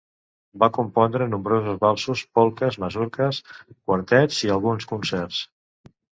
Va compondre nombrosos valsos, polques, masurques, quartets i alguns concerts.